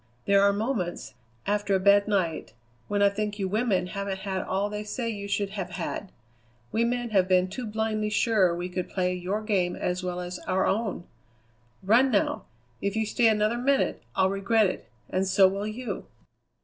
There are moments, after a bad night, when I think you women haven't had all they say you should have had. We men have been too blindly sure we could play your game as well as our own. Run now! If you stay another minute I'll regret it, and so will you."